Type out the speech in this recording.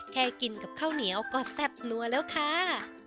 แค่กินกับข้าวเหนียวก็แซ่บนัวแล้วค่ะ